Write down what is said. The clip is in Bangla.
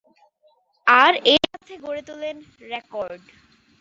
আর এর সাথে গড়ে তোলেন রেকর্ড।